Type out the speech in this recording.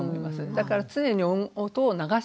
だから常に音を流していかない。